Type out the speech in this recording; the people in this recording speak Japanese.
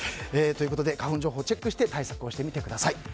花粉情報をチェックして対策をしてみてください。